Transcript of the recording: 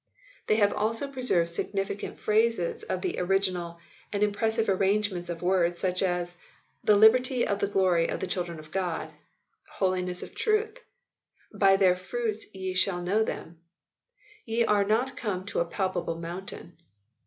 They have also preserved significant phrases of the original and impressive arrangement of words such as " the liberty of the glory of the children of God^" ; "holiness of truth" ; "by their fruits ye shall know them" ; "ye are not come to a palpable mountain."